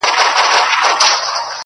د ده تر عمر لوړ بللی